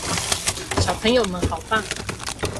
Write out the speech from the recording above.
小朋友們好棒！